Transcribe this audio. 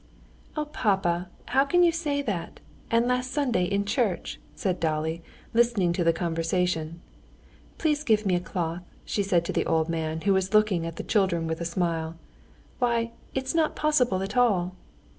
"Oh, papa!... how can you say that? And last Sunday in church?" said Dolly, listening to the conversation. "Please give me a cloth," she said to the old man, who was looking at the children with a smile. "Why, it's not possible that all...."